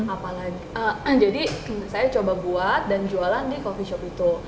apalagi jadi saya coba buat dan jualan di coffee shop itu